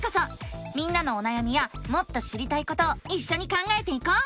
みんなのおなやみやもっと知りたいことをいっしょに考えていこう！